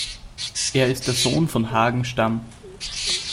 Er ist der Sohn von Hagen Stamm.